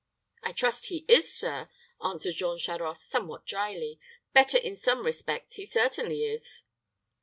"I trust he is, sir," answered Jean Charost, somewhat dryly. "Better in some respects he certainly is."